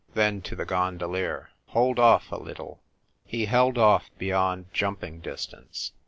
Then to the gondolier, " Hold off a little !" He held off beyond jumping distance.